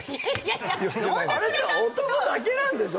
あれは男だけなんでしょ？